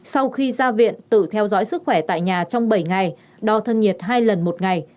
sau khi ra viện tự theo dõi sức khỏe tại nhà trong bảy ngày đo thân nhiệt hai lần một ngày